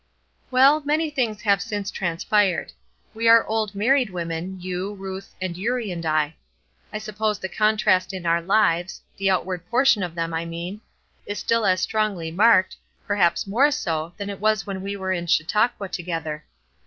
"Well, many things have since transpired. We are old married women, you, and Ruth, and Eurie and I. I suppose the contrast in our lives, the outward portion of them, I mean, is still as strongly marked, perhaps more so, than it was when we were in Chautauqua together.